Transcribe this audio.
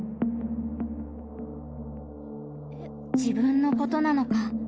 「自分のことなのか」。